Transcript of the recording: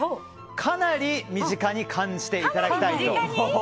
かなり身近に感じていただきたいと。